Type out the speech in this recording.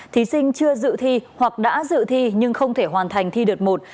thí sinh chưa dự thi hoặc đã dự thi nhưng không thể hoàn thành thi đợt một